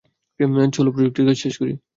চল প্রজেক্টের কাজ শেষ করি।